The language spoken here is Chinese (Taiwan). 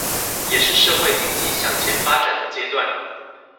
也是社會經濟向前發展的階段